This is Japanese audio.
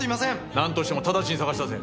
なんとしてもただちに捜し出せ。